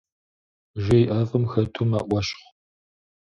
Жей ӏэфӏым хэту мэӏуэщхъу.